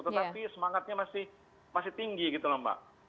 tetapi semangatnya masih tinggi gitu loh mbak